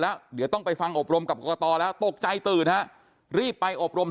แล้วเดี๋ยวต้องไปฟังอบรมกับกรกตแล้วตกใจตื่นฮะรีบไปอบรม